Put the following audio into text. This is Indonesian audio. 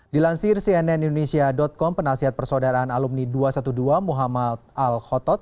dilansir cnn indonesia com penasihat persaudaraan alumni dua ratus dua belas muhammad al khotot